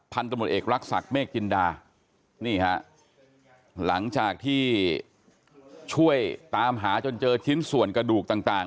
พันธนบทเอกรักษรศักดิ์เมฆจิลดารุ่นนะครับหลังจากที่ช่วยตามหาจนเจอชิ้นส่วนกระดูกต่าง